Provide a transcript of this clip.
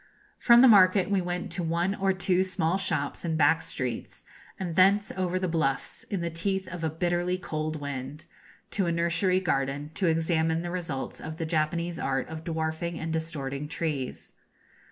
From the market we went to one or two small shops in back streets, and thence over the bluffs, in the teeth of a bitterly cold wind, to a nursery garden, to examine the results of the Japanese art of dwarfing and distorting trees.